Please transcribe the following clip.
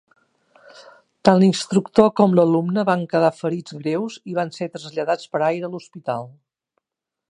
Tant l'instructor com l'alumne van quedar ferits greus i van ser traslladats per aire a l'hospital.